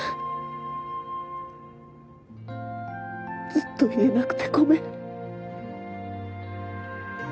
ずっと言えなくてごめん。